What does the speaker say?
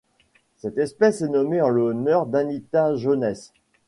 Cette espèce est nommée en l'honneur d'Anita Jones.